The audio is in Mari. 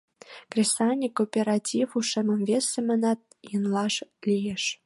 Кресаньык кооператив ушемым вес семынат ыҥлаш лиеш.